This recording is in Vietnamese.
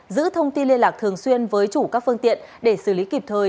giữ thông tin liên lạc thường xuyên với chủ các phương tiện để xử lý kịp thời